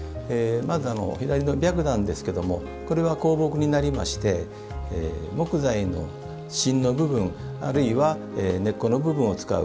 白檀なんですけどもこれは香木になりまして木材の芯の部分あるいは根っこの部分を使う。